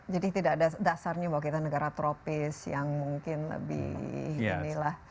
jadi dasarnya bahwa kita negara tropis yang mungkin lebih